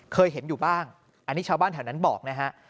เคยเห็นอยู่บ้างอันนี้ชาวบ้านแถวนั้นบอกนะฮะ